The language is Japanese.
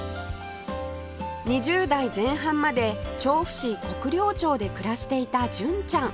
２０代前半まで調布市国領町で暮らしていた純ちゃん